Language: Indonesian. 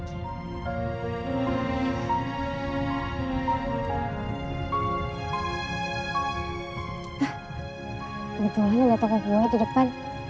kebetulan ada toko kue di depan